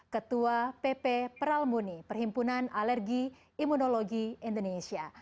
ketua pp peralmuni perhimpunan alergi imunologi indonesia